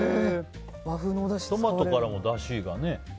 トマトからも、だしがね。